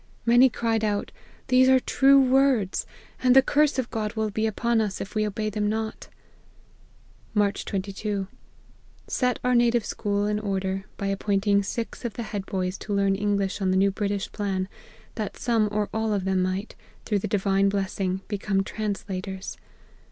Many cried out, These are true words ; and the curse of God will be upon us if we obey them not !'" March 22. Set our native school in order, by appointing six of the head boys to learn English on the new British plan, that some or all of them might, through the divine blessing, become trans lators.